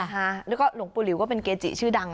แล้วก็หลวงปู่หลิวก็เป็นเกจิชื่อดัง